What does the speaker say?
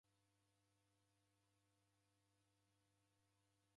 Kifindiko cheko hao?